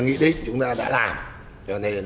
nghị định chúng ta đã làm cho nên